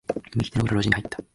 右手の裏路地に入った。